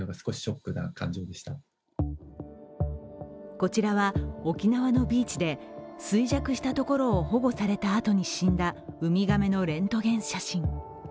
こちらは沖縄のビーチで衰弱したところを保護されたあとに死んだウミガメのレントゲン写真。